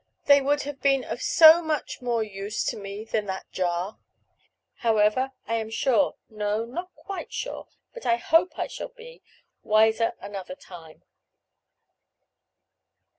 They would have been of so much more use to me than that jar: however, I am sure, no, not quite sure, but I hope I shall be wiser another time."